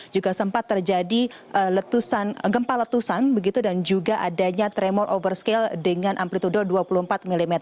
juga sempat terjadi gempa letusan dan juga adanya tremor overscale dengan amplitude dua puluh empat mm